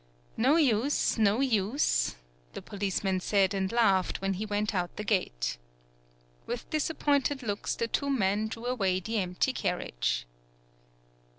"No use, no use," the policeman said and laughed when he went out the gate. With disappointed looks the two men drew away the empty carriage.